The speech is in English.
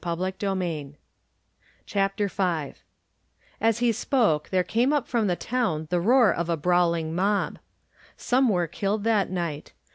Digitized by Google CHAPTER V AS he spoke there came up from the town xVthe roar of a brawling mob. Some were killed that night.